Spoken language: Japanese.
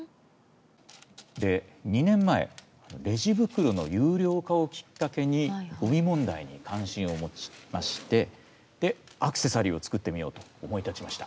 ２年前レジ袋の有料化をきっかけにごみ問題に関心を持ちましてアクセサリーを作ってみようと思い立ちました。